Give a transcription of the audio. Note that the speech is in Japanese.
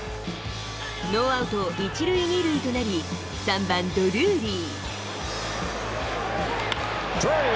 ノーアウト１塁２塁となり、３番ドルーリー。